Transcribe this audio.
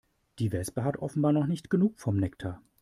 Die Wespe hat offenbar noch nicht genug vom Nektar.